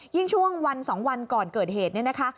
ช่วงวัน๒วันก่อนเกิดเหตุเนี่ยนะคะ